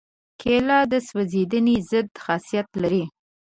کېله د سوځېدنې ضد خاصیت لري.